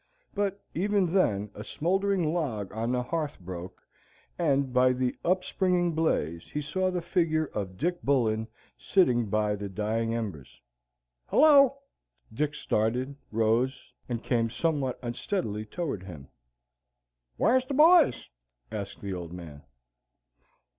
But even then a smouldering log on the hearth broke, and by the upspringing blaze he saw the figure of Dick Bullen sitting by the dying embers. "Hello!" Dick started, rose, and came somewhat unsteadily toward him. "Whar's the boys?" said the Old Man.